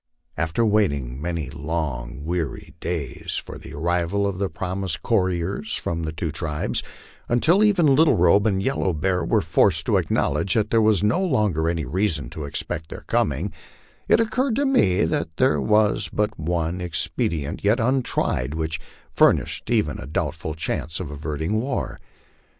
After waiting many long weary days for the arrival of the promised couriers from the two tribes, until even Little Robe and Yellow Bear were forced to acknowledge that there was no longer any reason to expect their coming, it occurred to me that there was but one expedient yet untried which furnished even a doubtful chance of averting war.